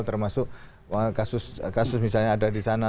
termasuk kasus kasus misalnya ada di sana